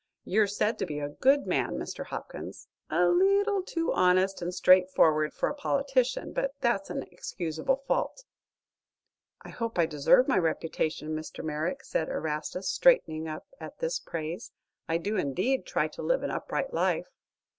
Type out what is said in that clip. "You're said to be a good man, Mr. Hopkins; a leetle too honest and straightforward for a politician; but that's an excusable fault." "I hope I deserve my reputation, Mr. Merrick," said Erastus, straightening up at this praise. "I do, indeed, try to live an upright life."